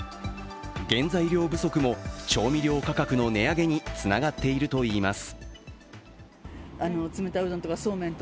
原材料不足も調味料価格の値上げにつながっているといいます。